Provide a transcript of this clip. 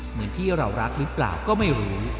เหมือนที่เรารักหรือเปล่าก็ไม่รู้